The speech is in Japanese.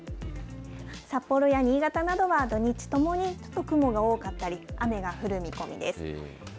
札幌や新潟などは、土日ともに雲が多かったり、雨が降る見込みです。